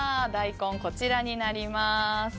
大根、こちらになります。